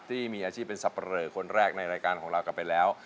ที่มีอาชีพเป็นสับปะเลอคนแรกในรายการของเรากลับไปแล้ว